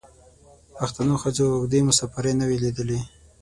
پښتنو ښځو اوږدې مسافرۍ نه وې لیدلي.